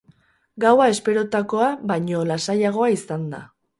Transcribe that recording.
Gaua esperotakoa baino lasaiagoa izan da.